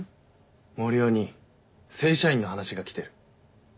森生に正社員の話が来てる。